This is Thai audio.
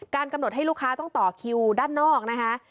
กำหนดให้ลูกค้าต้องต่อคิวด้านนอกนะคะ